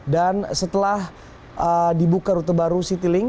dan setelah dibuka rute baru citilink